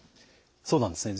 そうなんですね